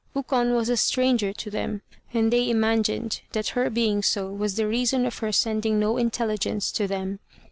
Ukon was a stranger to them, and they imagined that her being so was the reason of her sending no intelligence to them.